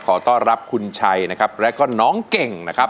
ขอต้อนรับคุณชัยนะครับแล้วก็น้องเก่งนะครับ